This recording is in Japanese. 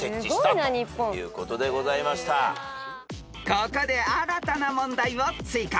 ［ここで新たな問題を追加］